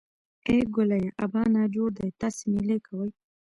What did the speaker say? ای ګوليه ابا نا جوړه دی تاسې مېلې کوئ.